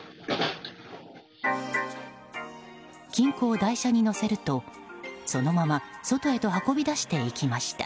金庫を台車に載せるとそのまま外へと運び出していきました。